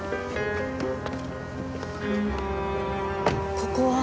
ここは？